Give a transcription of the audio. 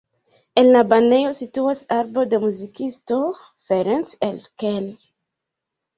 En la banejo situas arbo de muzikisto Ferenc Erkel.